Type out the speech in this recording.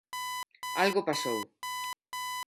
Algo pasou.